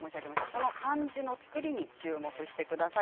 この漢字のつくりに注目してください。